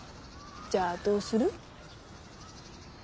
じゃあどうする？